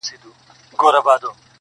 دحورو دغیلمانو جنتو شوقیان دي نور دي